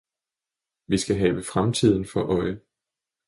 Vi skal have fremtiden for øje